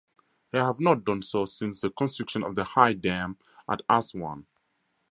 They have not done so since the construction of the High Dam at Aswan.